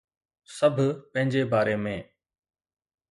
سڀ پنهنجي باري ۾